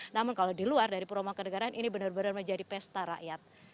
namun kalau di luar dari puroma kenegaraan ini benar benar menjadi pesta rakyat